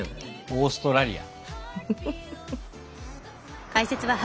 オーストラリア。